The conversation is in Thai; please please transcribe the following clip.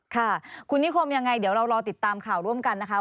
ค่ะคุณนิคมยังไงเดี๋ยวเรารอติดตามข่าวร่วมกันนะคะ